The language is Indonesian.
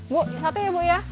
bu satu ya bu ya